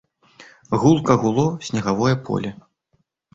Гулка гуло снегавое поле.